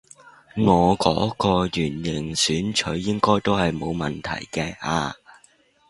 我嗰個圓形選取應該都係冇問題嘅啊